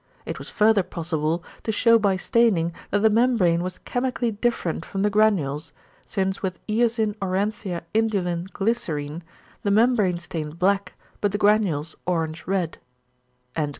It was further possible to shew by staining that the membrane was chemically different from the granules, since with eosin aurantia indulin glycerine, the membrane stained black, but the granules orange red."